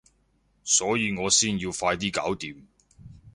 所以我先要快啲搞掂